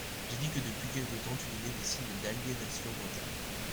J’ai dit que depuis quelque temps tu donnais des signes d’aliénation mentale.